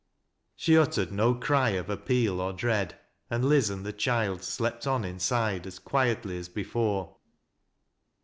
She uttered no cry of appeal or dread, and Liz and the child slept on inside, as quietly as before.